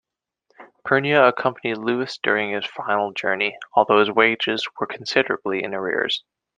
Pernia accompanied Lewis during his final journey, although his wages were considerably in arrears.